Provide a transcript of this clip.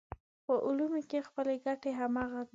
په علومو کې خپلې ګټې همغه دي.